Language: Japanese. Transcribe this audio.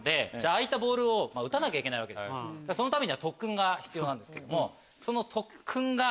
そのためには特訓が必要なんですけども。